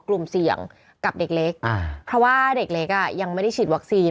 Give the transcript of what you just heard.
กลุ่มเสี่ยงกับเด็กเล็กเพราะว่าเด็กเล็กอ่ะยังไม่ได้ฉีดวัคซีน